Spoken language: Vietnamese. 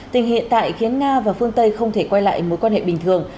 tình hiện tại khiến nga và phương tây không thể quay lại mối quan hệ bình thường